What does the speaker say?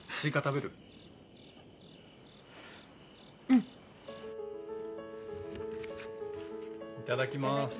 いただきます。